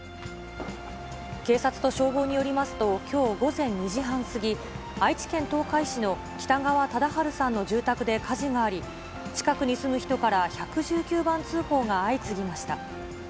警察と消防によりますと、きょう午前２時半過ぎ、愛知県東海市の北川忠治さんの住宅で火事があり、近くに住む人から１１９番通報が相次ぎました。